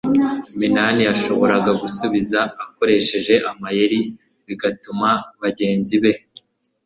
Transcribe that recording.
minani yashoboraga gusubiza akoresheje amayeri bigatuma bagenzi be